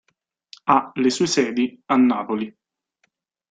Ha le sue sedi a Napoli.